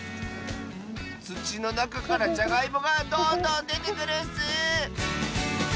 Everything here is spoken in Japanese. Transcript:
つちのなかからじゃがいもがどんどんでてくるッス！